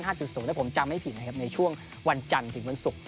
ถ้าผมจำไม่ผิดนะครับในช่วงวันจันทร์ถึงวันศุกร์